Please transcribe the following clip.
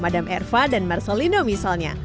madam erva dan marcelino misalnya